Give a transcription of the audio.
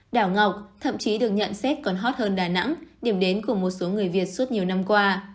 đảo ngọc thậm chí được nhận xét còn hot hơn đà nẵng điểm đến của một số người việt suốt nhiều năm qua